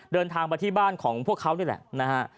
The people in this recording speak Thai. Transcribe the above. เดินทางมาที่บ้านของพวกเขานี่แหละนะฮะ